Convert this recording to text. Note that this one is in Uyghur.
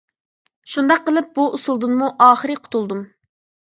شۇنداق قىلىپ بۇ ئۇسسۇلدىنمۇ ئاخىرى قۇتۇلدۇم.